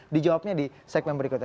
dijawabnya di segmen berikutnya